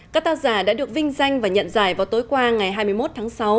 các tác giả đã được vinh danh và nhận giải vào tối qua ngày hai mươi một tháng sáu